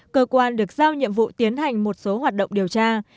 cơ quan được giao nhiệm vụ tiến hành một số hoạt động điều tra